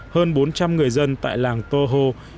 hơn bốn trăm linh người dân tại làng toho